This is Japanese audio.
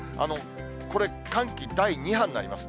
これ、寒気第２波になります。